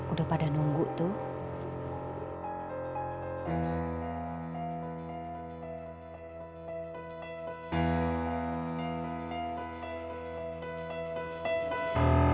udah pada nunggu tuh